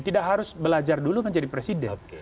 tidak harus belajar dulu menjadi presiden